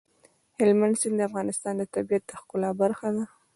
هلمند سیند د افغانستان د طبیعت د ښکلا برخه ده.